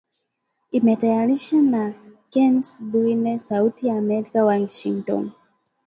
Imetayarishwa na Kennes Bwire, Sauti ya Amerika, Washington.